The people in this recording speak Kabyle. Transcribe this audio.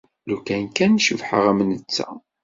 Lukan kan cebḥeɣ am netta.